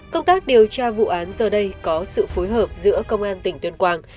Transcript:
công tác điều tra vụ án giờ đây có sự phối hợp giữa công an tỉnh tuyên quang